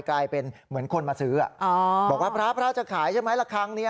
กลายเป็นเหมือนคนมาซื้อบอกว่าพระจะขายใช่ไหมละครั้งนี้